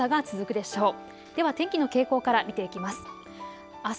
では天気の傾向から見ていきます。